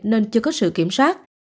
nên chưa có sự kiểm soát